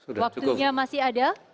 waktunya masih ada